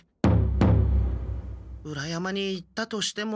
裏山に行ったとしても。